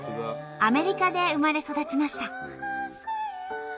アメリカで生まれ育ちました。